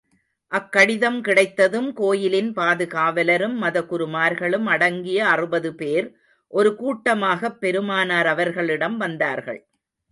அக்கடிதம் கிடைத்ததும், கோயிலின் பாதுகாவலரும், மதகுருமார்களும் அடங்கிய அறுபது பேர், ஒரு கூட்டமாகப் பெருமானார் அவர்களிடம் வந்தார்கள்.